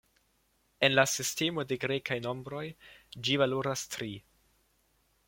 En la sistemo de grekaj nombroj ĝi valoras tri.